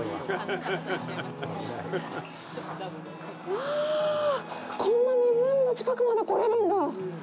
わあ、こんな湖の近くまで来れるんだ。